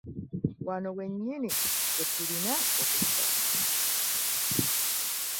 Wano wennyini we tulina okuyita.